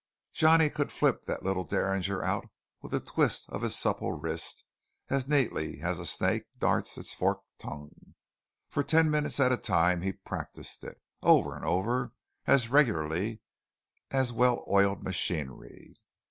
Johnny could flip that little derringer out with a twist of his supple wrist as neatly as a snake darts its forked tongue. For ten minutes at a time he practised it, over and over, as regularly as well oiled machinery.